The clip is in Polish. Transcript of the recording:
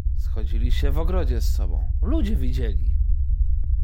"Schodzili się w ogrodzie z sobą... ludzie widzieli."